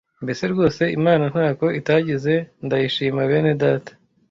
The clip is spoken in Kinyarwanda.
mbese rwose Imana ntako itagize ndayishima bene Data!